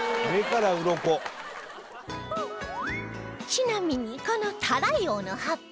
ちなみにこのタラヨウの葉っぱ